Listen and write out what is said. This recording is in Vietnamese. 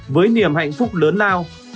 với niềm hạnh phúc lớn lao